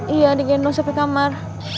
iya digendong sampai kamar